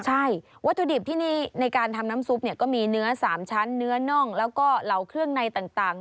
ใช่วัตถุดิบที่นี่ในการทำน้ำซุปเนี่ยก็มีเนื้อ๓ชั้นเนื้อน่องแล้วก็เหล่าเครื่องในต่าง